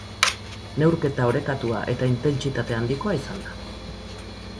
Neurketa orekatua eta intentsitate handikoa izan da.